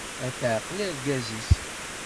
Ad taεqel argaz-is.